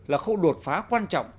là khâu đột phá quan trọng